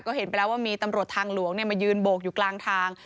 ก็เห็นไปแล้วว่ามีตำรวจทางหลวงมายืนโบกอยู่กลางทาง